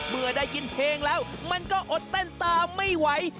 เมื่อได้ยินเพลงแล้วมันก็อดเต้นตาไม่ไหว